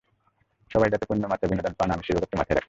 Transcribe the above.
সবাই যাতে পূর্ণ মাত্রার বিনোদন পান, আমি সেই ব্যাপারটি মাথায় রাখছি।